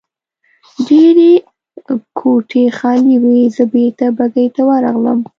ډېرې کوټې خالي وې، زه بېرته بګۍ ته ورغلم.